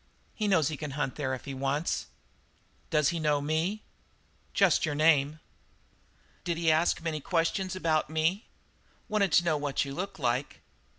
He knows he can hunt there if he wants to." "Does he know me?" "Just your name." "Did he ask many questions about me?" "Wanted to know what you looked like."